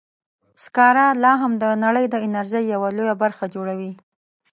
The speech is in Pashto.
سکاره لا هم د نړۍ د انرژۍ یوه لویه برخه جوړوي.